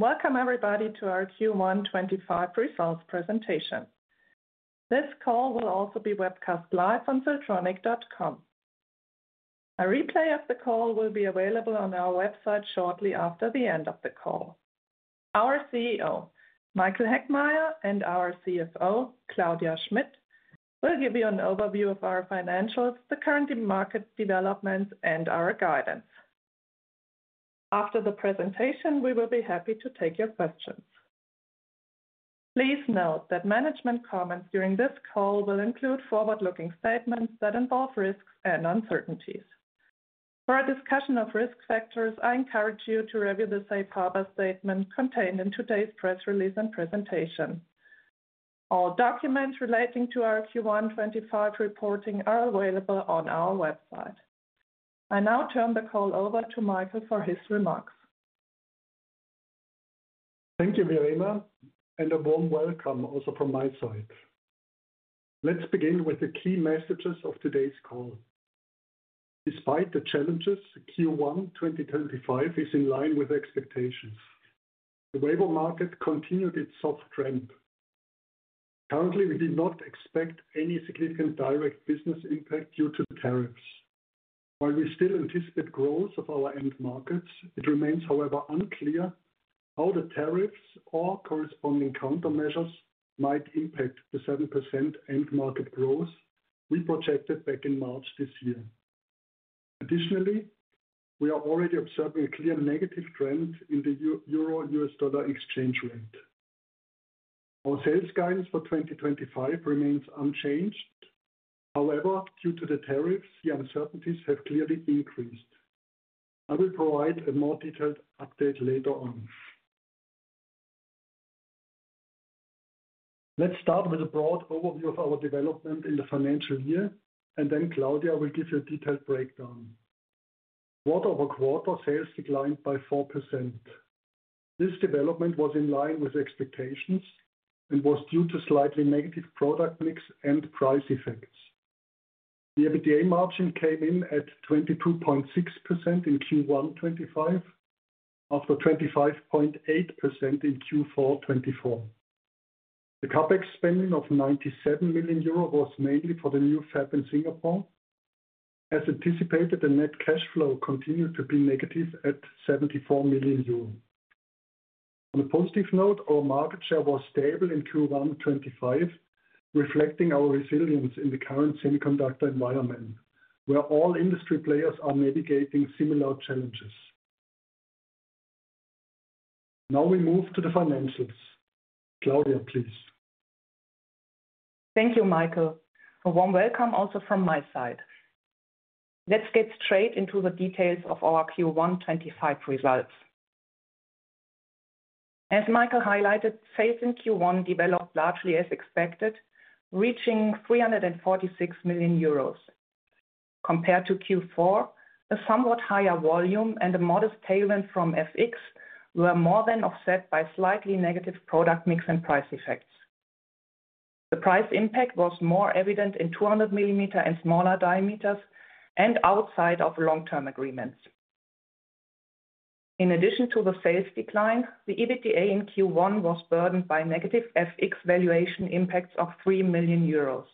Welcome, everybody, to our Q1 2025 results presentation. This call will also be webcast live on siltronic.com. A replay of the call will be available on our website shortly after the end of the call. Our CEO, Michael Heckmeier, and our CFO, Claudia Schmitt, will give you an overview of our financials, the current market developments, and our guidance. After the presentation, we will be happy to take your questions. Please note that management comments during this call will include forward-looking statements that involve risks and uncertainties. For a discussion of risk factors, I encourage you to review the Safe Harbor statement contained in today's press release and presentation. All documents relating to our Q1 2025 reporting are available on our website. I now turn the call over to Michael for his remarks. Thank you, Verena, and a warm welcome also from my side. Let's begin with the key messages of today's call. Despite the challenges, Q1 2025 is in line with expectations. The labor market continued its soft ramp. Currently, we did not expect any significant direct business impact due to tariffs. While we still anticipate growth of our end markets, it remains, however, unclear how the tariffs or corresponding countermeasures might impact the 7% end market growth we projected back in March this year. Additionally, we are already observing a clear negative trend in the EUR/USD exchange rate. Our sales guidance for 2025 remains unchanged. However, due to the tariffs, the uncertainties have clearly increased. I will provide a more detailed update later on. Let's start with a broad overview of our development in the financial year, and then Claudia will give you a detailed breakdown. Quarter over quarter, sales declined by 4%. This development was in line with expectations and was due to slightly negative product mix and price effects. The EBITDA margin came in at 22.6% in Q1 2025, after 25.8% in Q4 2024. The CapEx spending of 97 million euro was mainly for the new fab in Singapore. As anticipated, the net cash flow continued to be negative at 74 million euros. On a positive note, our market share was stable in Q1 2025, reflecting our resilience in the current semiconductor environment, where all industry players are navigating similar challenges. Now we move to the financials. Claudia, please. Thank you, Michael. A warm welcome also from my side. Let's get straight into the details of our Q1 2025 results. As Michael highlighted, sales in Q1 developed largely as expected, reaching 346 million euros. Compared to Q4, a somewhat higher volume and a modest tailwind from FX were more than offset by slightly negative product mix and price effects. The price impact was more evident in 200 millimeter and smaller diameters and outside of long-term agreements. In addition to the sales decline, the EBITDA in Q1 was burdened by negative FX valuation impacts of 3 million euros.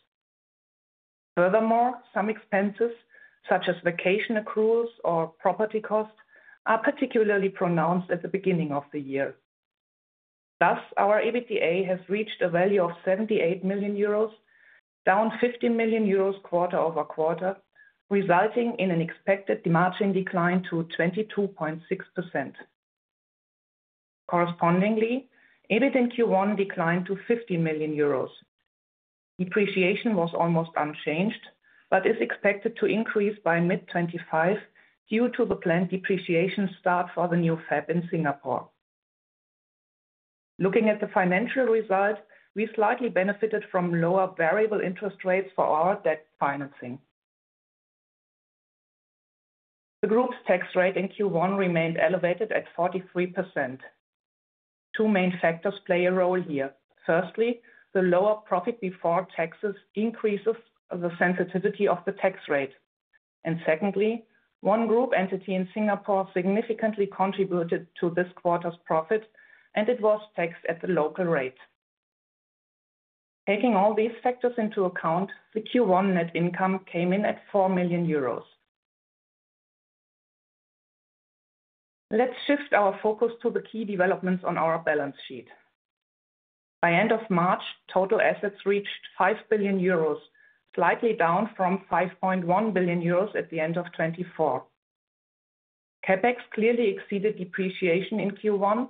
Furthermore, some expenses, such as vacation accruals or property costs, are particularly pronounced at the beginning of the year. Thus, our EBITDA has reached a value of 78 million euros, down 15 million euros quarter over quarter, resulting in an expected margin decline to 22.6%. Correspondingly, EBIT in Q1 declined to 50 million euros. Depreciation was almost unchanged, but is expected to increase by mid-2025 due to the planned depreciation start for the new fab in Singapore. Looking at the financial results, we slightly benefited from lower variable interest rates for our debt financing. The group's tax rate in Q1 remained elevated at 43%. Two main factors play a role here. Firstly, the lower profit before taxes increases the sensitivity of the tax rate. Secondly, one group entity in Singapore significantly contributed to this quarter's profit, and it was taxed at the local rate. Taking all these factors into account, the Q1 net income came in at 4 million euros. Let's shift our focus to the key developments on our balance sheet. By end of March, total assets reached 5 billion euros, slightly down from 5.1 billion euros at the end of 2024. CapEx clearly exceeded depreciation in Q1,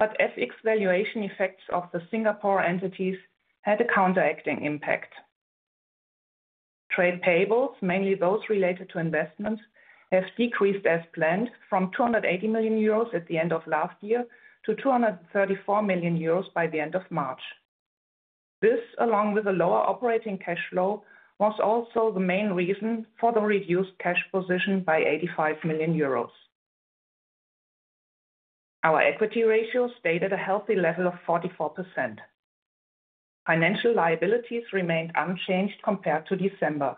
but FX valuation effects of the Singapore entities had a counteracting impact. Trade payables, mainly those related to investments, have decreased as planned from 280 million euros at the end of last year to 234 million euros by the end of March. This, along with a lower operating cash flow, was also the main reason for the reduced cash position by 85 million euros. Our equity ratio stated a healthy level of 44%. Financial liabilities remained unchanged compared to December.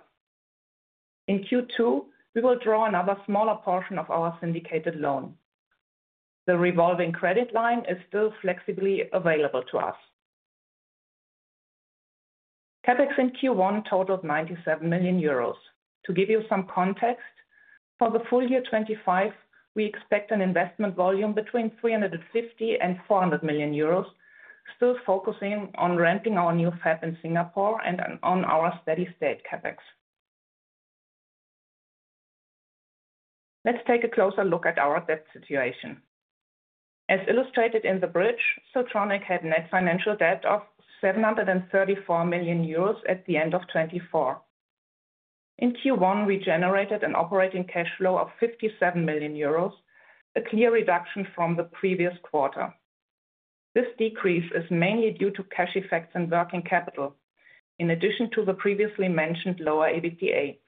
In Q2, we will draw another smaller portion of our syndicated loan. The revolving credit line is still flexibly available to us. CapEx in Q1 totaled 97 million euros. To give you some context, for the full year 2025, we expect an investment volume between 350 million and 400 million euros, still focusing on ramping our new fab in Singapore and on our steady state CapEx. Let's take a closer look at our debt situation. As illustrated in the bridge, Siltronic had net financial debt of 734 million euros at the end of 2024. In Q1, we generated an operating cash flow of 57 million euros, a clear reduction from the previous quarter. This decrease is mainly due to cash effects and working capital, in addition to the previously mentioned lower EBITDA.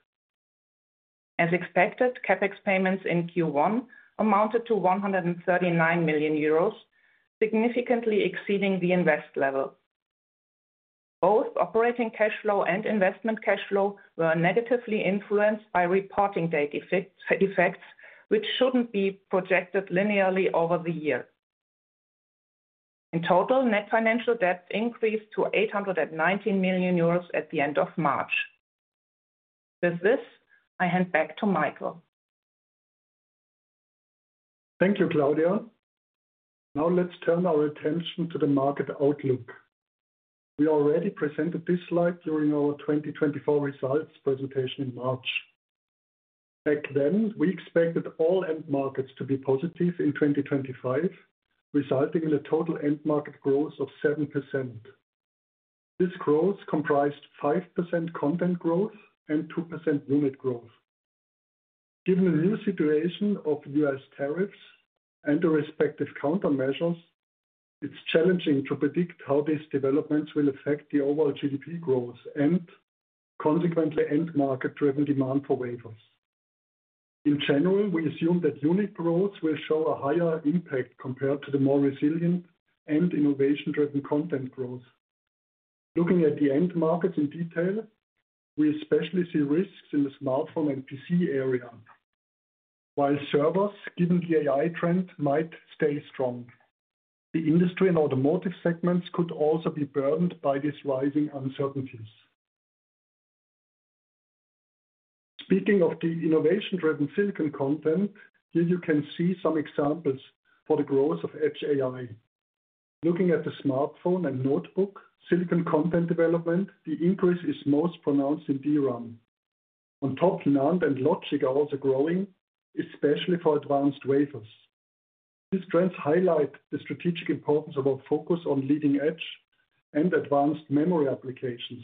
As expected, CapEx payments in Q1 amounted to 139 million euros, significantly exceeding the invest level. Both operating cash flow and investment cash flow were negatively influenced by reporting date effects, which should not be projected linearly over the year. In total, net financial debt increased to 819 million euros at the end of March. With this, I hand back to Michael. Thank you, Claudia. Now let's turn our attention to the market outlook. We already presented this slide during our 2024 results presentation in March. Back then, we expected all end markets to be positive in 2025, resulting in a total end market growth of 7%. This growth comprised 5% content growth and 2% unit growth. Given the new situation of U.S. tariffs and the respective countermeasures, it's challenging to predict how these developments will affect the overall GDP growth and consequently end market-driven demand for wafers. In general, we assume that unit growth will show a higher impact compared to the more resilient and innovation-driven content growth. Looking at the end markets in detail, we especially see risks in the smartphone and PC area, while servers, given the AI trend, might stay strong. The industry and automotive segments could also be burdened by these rising uncertainties. Speaking of the innovation-driven silicon content, here you can see some examples for the growth of edge AI. Looking at the smartphone and notebook, silicon content development, the increase is most pronounced in DRAM. On top, NAND and logic are also growing, especially for advanced wafers. These trends highlight the strategic importance of our focus on leading edge and advanced memory applications.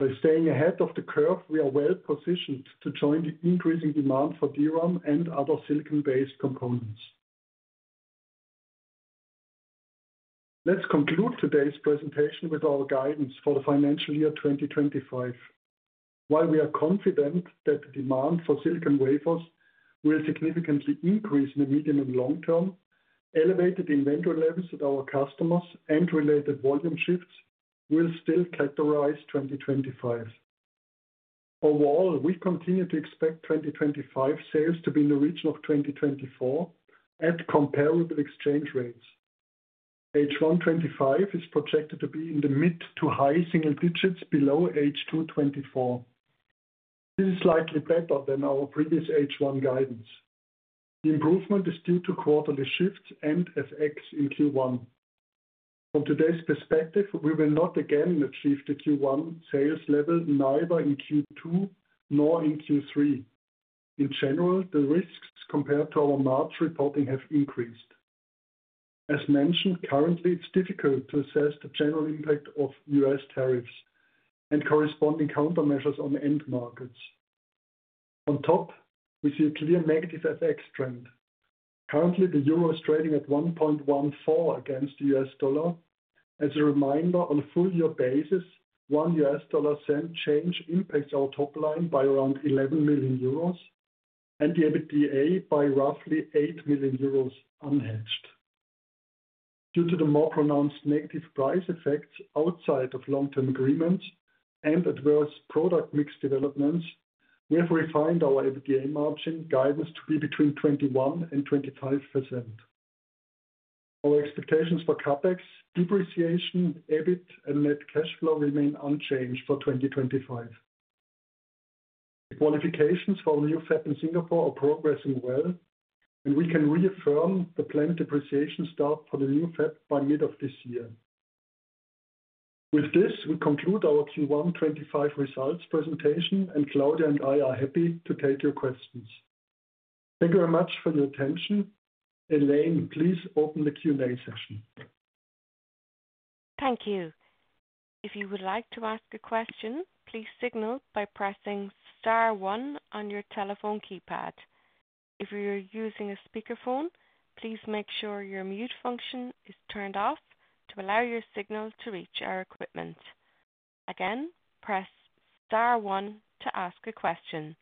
By staying ahead of the curve, we are well positioned to join the increasing demand for DRAM and other silicon-based components. Let's conclude today's presentation with our guidance for the financial year 2025. While we are confident that the demand for silicon wafers will significantly increase in the medium and long term, elevated inventory levels at our customers and related volume shifts will still characterize 2025. Overall, we continue to expect 2025 sales to be in the region of 2024 at comparable exchange rates. 2025 is projected to be in the mid to high single digits below H2 2024. This is slightly better than our previous H1 guidance. The improvement is due to quarterly shifts and FX in Q1. From today's perspective, we will not again achieve the Q1 sales level, neither in Q2 nor in Q3. In general, the risks compared to our March reporting have increased. As mentioned, currently, it is difficult to assess the general impact of U.S. tariffs and corresponding countermeasures on end markets. On top, we see a clear negative FX trend. Currently, the euro is trading at 1.14 against the US dollar. As a reminder, on a full year basis, one US dollar cent change impacts our top line by around 11 million euros and the EBITDA by roughly 8 million euros unhedged. Due to the more pronounced negative price effects outside of long-term agreements and adverse product mix developments, we have refined our EBITDA margin guidance to be between 21% and 25%. Our expectations for CapEx, depreciation, EBIT, and net cash flow remain unchanged for 2025. The qualifications for our new fab in Singapore are progressing well, and we can reaffirm the planned depreciation start for the new fab by mid of this year. With this, we conclude our Q1 2025 results presentation, and Claudia and I are happy to take your questions. Thank you very much for your attention. Elaine, please open the Q&A session. Thank you. If you would like to ask a question, please signal by pressing star one on your telephone keypad. If you're using a speakerphone, please make sure your mute function is turned off to allow your signal to reach our equipment. Again, press star one to ask a question.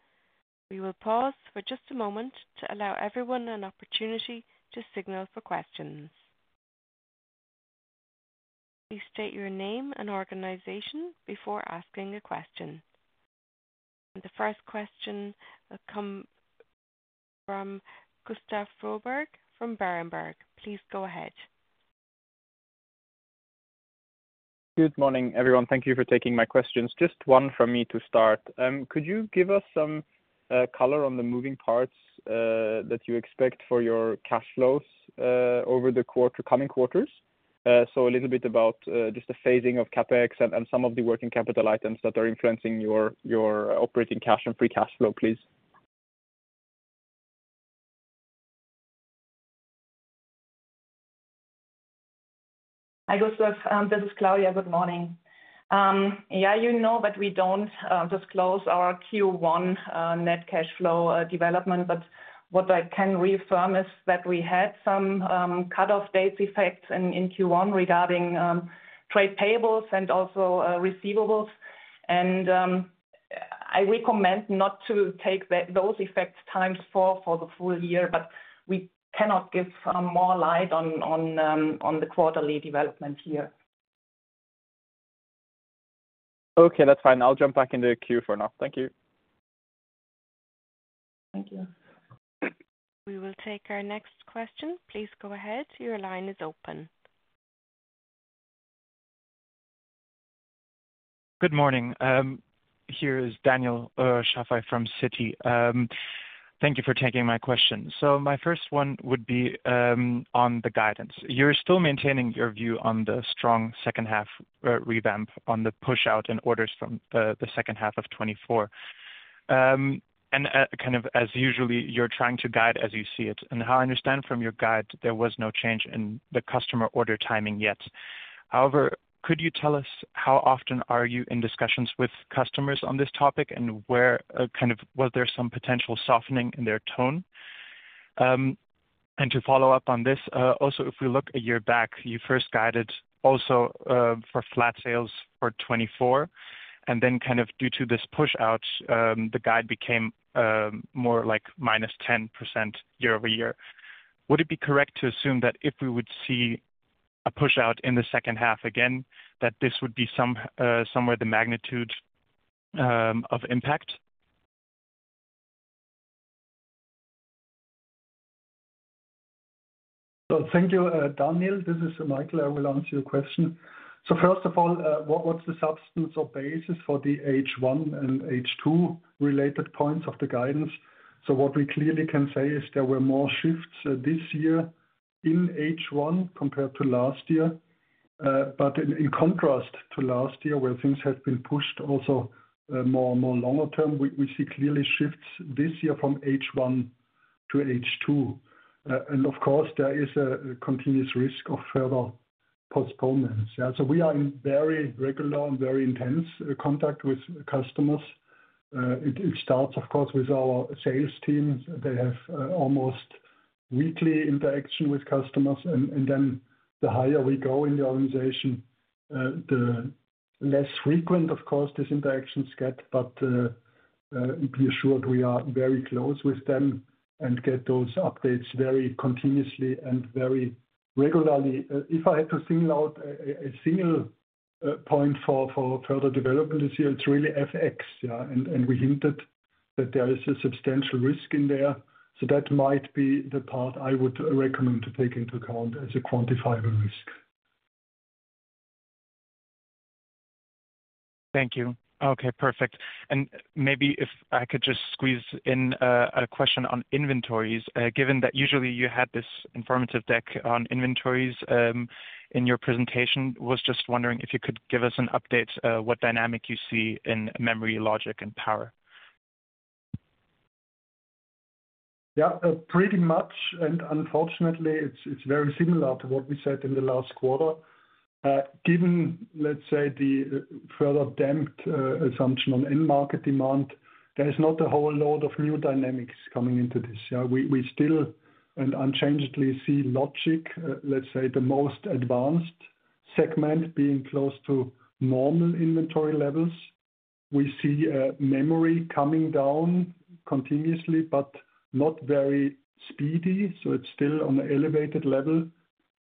We will pause for just a moment to allow everyone an opportunity to signal for questions. Please state your name and organization before asking a question. The first question will come from Gustav Froberg from Berenberg. Please go ahead. Good morning, everyone. Thank you for taking my questions. Just one for me to start. Could you give us some color on the moving parts that you expect for your cash flows over the coming quarters? A little bit about just the phasing of CapEx and some of the working capital items that are influencing your operating cash and free cash flow, please. Hi, Gustav. This is Claudia. Good morning. Yeah, you know that we do not disclose our Q1 net cash flow development, but what I can reaffirm is that we had some cut-off date effects in Q1 regarding trade payables and also receivables. I recommend not to take those effects times for the full year, but we cannot give more light on the quarterly developments here. Okay, that's fine. I'll jump back into the Q for now. Thank you. Thank you. We will take our next question. Please go ahead. Your line is open. Good morning. Here is Daniel Schaffer from Citi. Thank you for taking my question. My first one would be on the guidance. You are still maintaining your view on the strong second-half revamp on the push-out and orders from the second half of 2024. As usual, you are trying to guide as you see it. How I understand from your guide, there was no change in the customer order timing yet. However, could you tell us how often are you in discussions with customers on this topic and where was there some potential softening in their tone? To follow up on this, also, if we look a year back, you first guided also for flat sales for 2024, and then due to this push-out, the guide became more like minus 10% year over year. Would it be correct to assume that if we would see a push-out in the second half again, that this would be somewhere the magnitude of impact? Thank you, Daniel. This is Michael. I will answer your question. First of all, what is the substance or basis for the H1 and H2 related points of the guidance? What we clearly can say is there were more shifts this year in H1 compared to last year. In contrast to last year, where things have been pushed also more longer term, we see clearly shifts this year from H1 to H2. Of course, there is a continuous risk of further postponements. We are in very regular and very intense contact with customers. It starts, of course, with our sales teams. They have almost weekly interaction with customers. The higher we go in the organization, the less frequent, of course, these interactions get. Be assured, we are very close with them and get those updates very continuously and very regularly. If I had to single out a single point for further development this year, it's really FX. We hinted that there is a substantial risk in there. That might be the part I would recommend to take into account as a quantifiable risk. Thank you. Okay, perfect. Maybe if I could just squeeze in a question on inventories, given that usually you had this informative deck on inventories in your presentation, was just wondering if you could give us an update what dynamic you see in memory, logic, and power. Yeah, pretty much. Unfortunately, it is very similar to what we said in the last quarter. Given, let's say, the further damped assumption on end market demand, there is not a whole lot of new dynamics coming into this. We still and unchangedly see logic, let's say, the most advanced segment being close to normal inventory levels. We see memory coming down continuously, but not very speedy. It is still on an elevated level.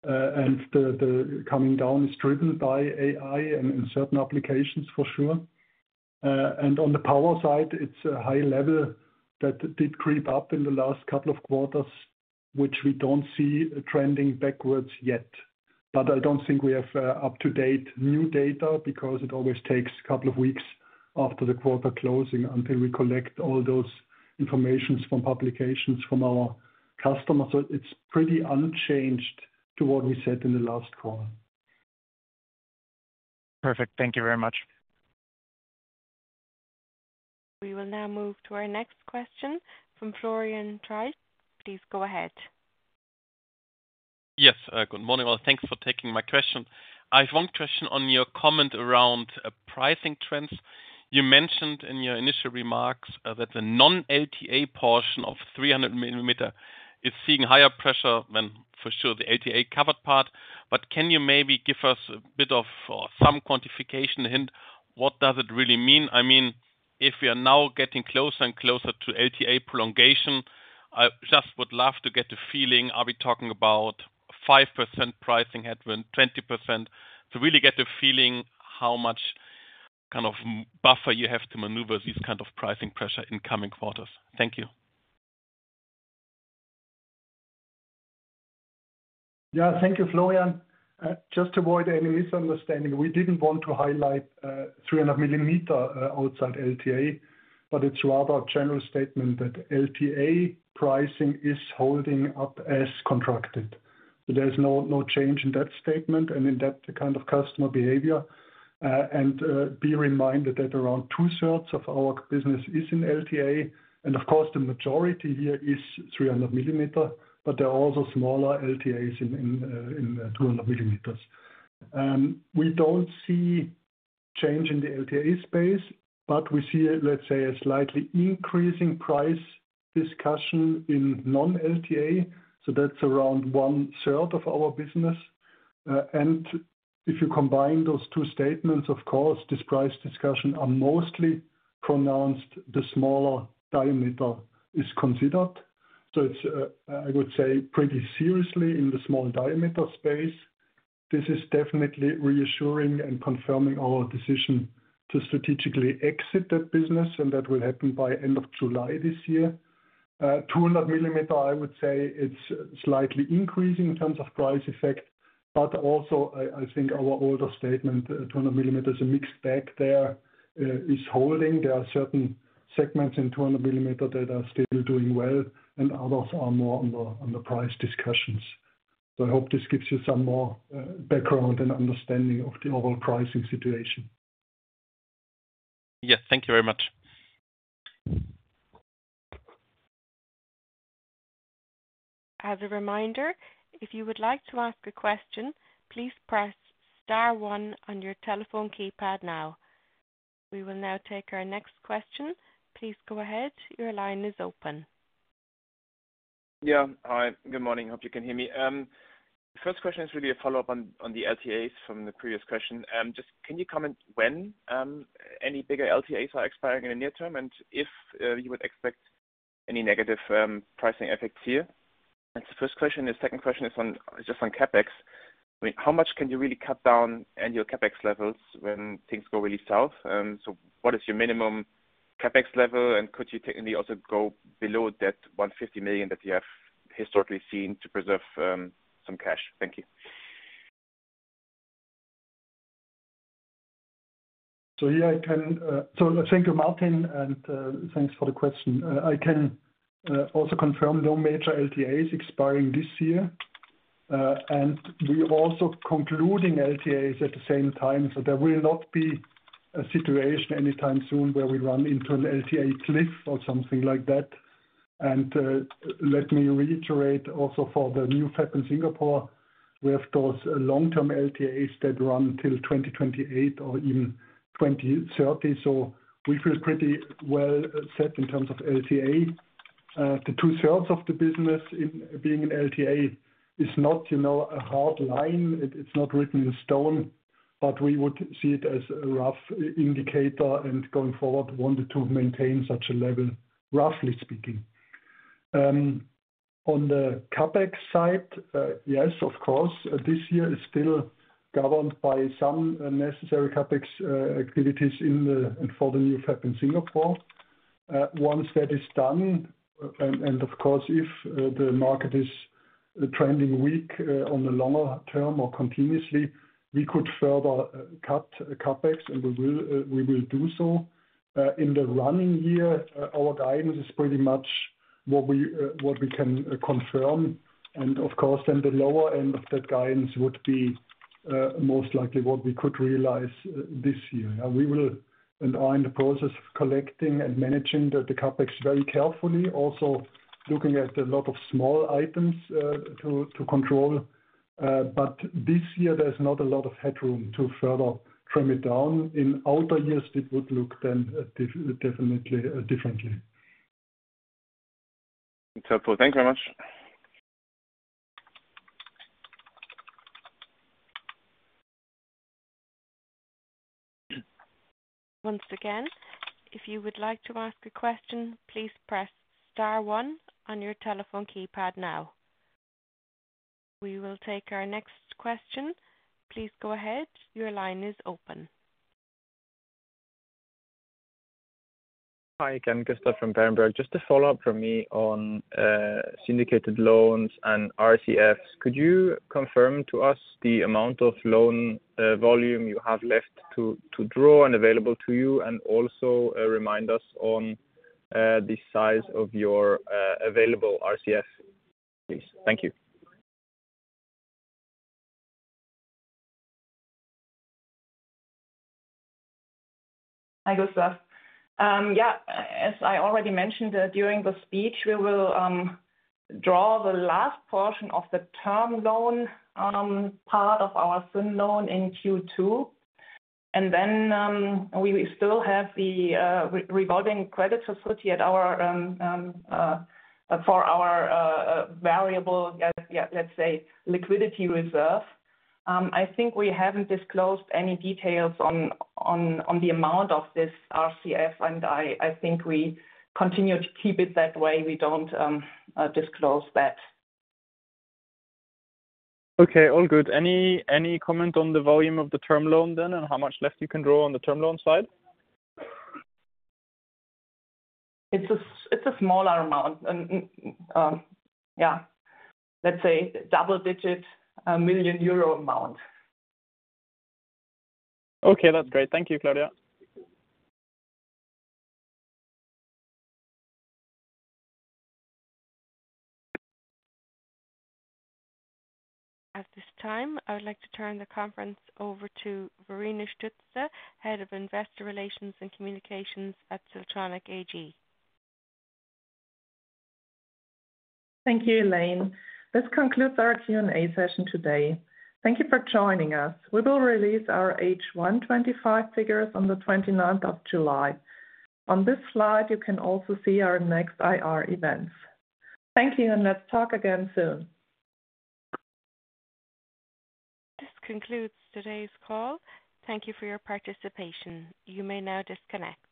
The coming down is driven by AI and certain applications, for sure. On the power side, it is a high level that did creep up in the last couple of quarters, which we do not see trending backwards yet. I do not think we have up-to-date new data because it always takes a couple of weeks after the quarter closing until we collect all those informations from publications from our customers. It is pretty unchanged to what we said in the last call. Perfect. Thank you very much. We will now move to our next question from Florian Traut. Please go ahead. Yes, good morning. Thanks for taking my question. I have one question on your comment around pricing trends. You mentioned in your initial remarks that the non-LTA portion of 300 millimeter is seeing higher pressure than for sure the LTA covered part. Can you maybe give us a bit of some quantification hint? What does it really mean? I mean, if we are now getting closer and closer to LTA prolongation, I just would love to get a feeling. Are we talking about 5% pricing headwind, 20%? To really get a feeling how much kind of buffer you have to maneuver these kinds of pricing pressure in coming quarters. Thank you. Yeah, thank you, Florian. Just to avoid any misunderstanding, we did not want to highlight 300 millimeter outside LTA, but it is rather a general statement that LTA pricing is holding up as contracted. There is no change in that statement and in that kind of customer behavior. Be reminded that around two-thirds of our business is in LTA. Of course, the majority here is 300 millimeter, but there are also smaller LTAs in 200 millimeters. We do not see change in the LTA space, but we see, let us say, a slightly increasing price discussion in non-LTA. That is around one-third of our business. If you combine those two statements, this price discussion is mostly pronounced where the smaller diameter is considered. It is, I would say, pretty seriously in the small diameter space. This is definitely reassuring and confirming our decision to strategically exit that business, and that will happen by end of July this year. 200 millimeter, I would say, it's slightly increasing in terms of price effect. I think our older statement, 200 millimeter, is a mixed bag there is holding. There are certain segments in 200 millimeter that are still doing well, and others are more on the price discussions. I hope this gives you some more background and understanding of the overall pricing situation. Yeah, thank you very much. As a reminder, if you would like to ask a question, please press star one on your telephone keypad now. We will now take our next question. Please go ahead. Your line is open. Yeah, hi. Good morning. Hope you can hear me. First question is really a follow-up on the LTAs from the previous question. Just can you comment when any bigger LTAs are expiring in the near term and if you would expect any negative pricing effects here? That is the first question. The second question is just on CapEx. How much can you really cut down annual CapEx levels when things go really south? What is your minimum CapEx level, and could you technically also go below that 150 million that you have historically seen to preserve some cash? Thank you. Yeah, I can. Thank you, Martin, and thanks for the question. I can also confirm no major LTAs expiring this year. We are also concluding LTAs at the same time. There will not be a situation anytime soon where we run into an LTA cliff or something like that. Let me reiterate also for the new fab in Singapore, we have those long-term LTAs that run till 2028 or even 2030. We feel pretty well set in terms of LTA. The two-thirds of the business being in LTA is not a hard line. It is not written in stone, but we would see it as a rough indicator, and going forward, want to maintain such a level, roughly speaking. On the CapEx side, yes, of course, this year is still governed by some necessary CapEx activities for the new fab in Singapore. Once that is done, and of course, if the market is trending weak on the longer term or continuously, we could further cut CapEx, and we will do so. In the running year, our guidance is pretty much what we can confirm. Of course, then the lower end of that guidance would be most likely what we could realize this year. We will, and are in the process of collecting and managing the CapEx very carefully, also looking at a lot of small items to control. This year, there is not a lot of headroom to further trim it down. In outer years, it would look then definitely differently. Thanks very much. Once again, if you would like to ask a question, please press star one on your telephone keypad now. We will take our next question. Please go ahead. Your line is open. Hi, again, Gustav from Berenberg. Just a follow-up from me on syndicated loans and RCFs. Could you confirm to us the amount of loan volume you have left to draw and available to you, and also remind us on the size of your available RCF, please? Thank you. Hi, Gustav. Yeah, as I already mentioned during the speech, we will draw the last portion of the term loan part of our SIM loan in Q2. We still have the revolving credit facility for our variable, let's say, liquidity reserve. I think we haven't disclosed any details on the amount of this RCF, and I think we continue to keep it that way. We don't disclose that. Okay, all good. Any comment on the volume of the term loan then and how much left you can draw on the term loan side? It's a smaller amount. Yeah, let's say double-digit million EUR amount. Okay, that's great. Thank you, Claudia. At this time, I would like to turn the conference over to Verena Stütze, Head of Investor Relations and Communications at Siltronic AG. Thank you, Elaine. This concludes our Q&A session today. Thank you for joining us. We will release our H1 2025 figures on the 29th of July. On this slide, you can also see our next IR events. Thank you, and let's talk again soon. This concludes today's call. Thank you for your participation. You may now disconnect.